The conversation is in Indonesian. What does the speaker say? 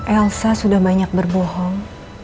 elsa sudah banyak berbohong